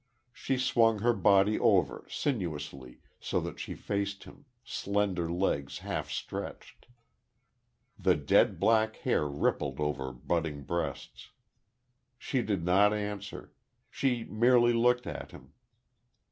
She swung her body over, sinuously, so that she faced him, slender legs half stretched. The dead black hair rippled over budding breasts. She did not answer. She merely looked at him.